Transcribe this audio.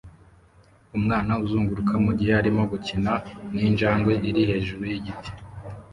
Umwana uzunguruka mugihe arimo gukina ninjangwe iri hejuru yigiti